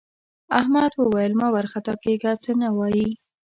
احمد وویل مه وارخطا کېږه څه نه وايي.